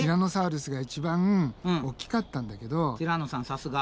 さすが。